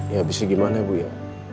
ya abis itu gimana bu ya